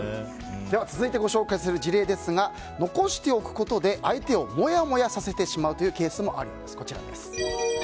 続いてご紹介する事例ですが残しておくことで相手をもやもやさせてしまうケースがあります。